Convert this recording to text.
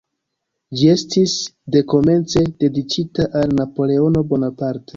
Ĝi estis dekomence dediĉita al Napoleono Bonaparte.